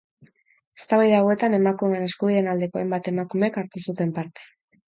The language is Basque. Eztabaida hauetan emakumeen eskubideen aldeko hainbat emakumek hartu zuten parte.